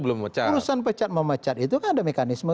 urusan pecat memecat itu kan ada mekanisme